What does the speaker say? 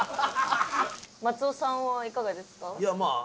松尾さんはいかがですか？